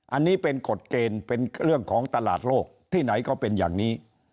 อันนี้เป็นกฎเกณฑ์เป็นเรื่องของตลาดโลกที่ไหนก็เป็นอย่างนี้